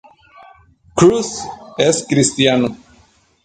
Crews es cristiano.